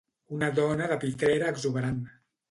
Una dona de pitrera exuberant.